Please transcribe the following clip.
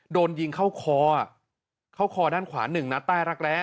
โดนยิงเข้าคอเข้าคอด้านขวาหนึ่งนัดใต้รักแร้